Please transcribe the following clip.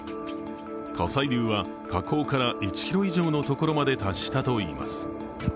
火砕流は火口から１ｋｍ以上のところまで達したといいます。